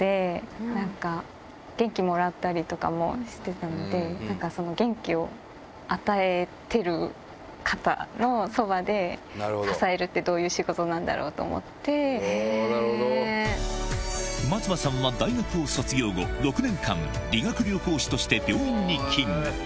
なんか、元気もらったりとかもしてたので、なんかその元気を与えてる方のそばで支えるって、どういう仕事な松葉さんは大学を卒業後、６年間、理学療法士として病院に勤務。